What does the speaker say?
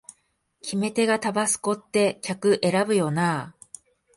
決め手がタバスコって客選ぶよなあ